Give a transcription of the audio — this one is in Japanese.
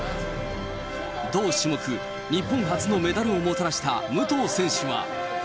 同種目、日本初のメダルをもたらした武藤選手は。